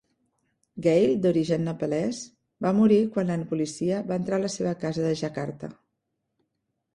Ghale, d'origen Nepalès, va morir quan la policia va entrar a la seva casa de Jakarta.